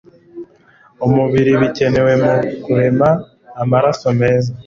umubiri bikenewe mu kurema amaraso meza.